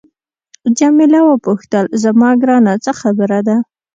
جميله وپوښتل زما ګرانه څه خبره ده.